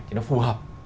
thì nó phù hợp